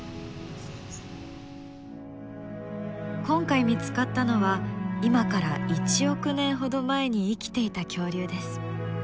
今回見つかったのは今から１億年ほど前に生きていた恐竜です。